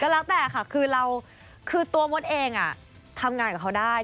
ก็แล้วแต่ค่ะคือตัวมดเองทำงานกับเขาได้